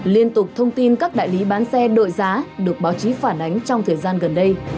liên tục thông tin các đại lý bán xe đội giá được báo chí phản ánh trong thời gian gần đây